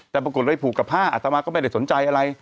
แต่ปรากฏเลยผูกกับผ้าอัตมาก็ไม่ได้สนใจอะไร